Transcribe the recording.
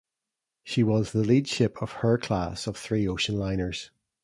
She was the lead ship of her class of three ocean liners.